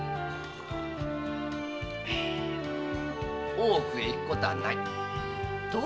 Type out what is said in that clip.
大奥へ行く事はない。